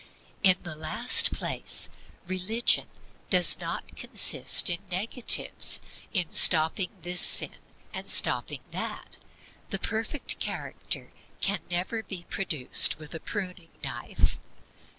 In the last place, religion does not consist in negatives, in stopping this sin and stopping that. The perfect character can never be produced with a pruning knife.